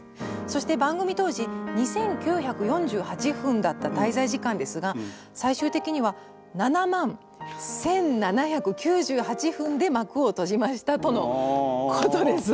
「そして番組当時２，９４８分だった滞在時間ですが最終的には７万１，７９８分で幕を閉じました」とのことです。